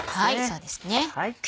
そうですね。